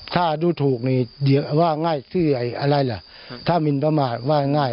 ถ้าดูถูกนี่ว่าง่ายชื่ออะไรล่ะถ้ามินประมาทว่าง่าย